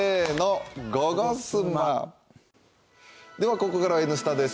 ここからは「Ｎスタ」です。